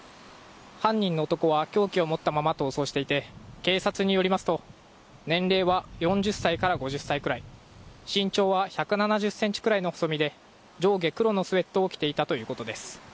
犯人の男は凶器を持ったまま逃走していて警察によりますと年齢は４０歳から５０歳くらい身長は１７０ｃｍくらいの細身で上下黒のスウェットを着ていたということです。